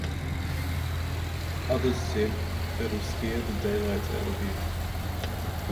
Others said, "It'll scare the daylights out of you".